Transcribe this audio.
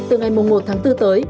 từ ngày một tháng bốn tới